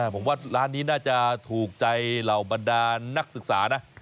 ผมว่าร้านนี้น่าจะถูกใจเหล่าบรรดานักศึกษานะ